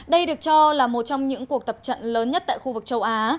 đây được cho là một trong những cuộc tập trận lớn nhất tại khu vực châu á